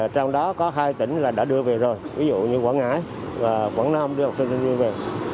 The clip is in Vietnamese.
trong đó có hai tỉnh là đã đưa về rồi ví dụ như quảng ngãi và quảng nam đưa học sinh sinh viên về